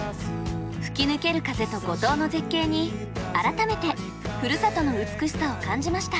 吹き抜ける風と五島の絶景に改めてふるさとの美しさを感じました。